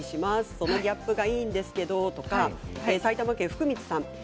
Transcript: そのギャップがいいんですけどとか埼玉県の方です。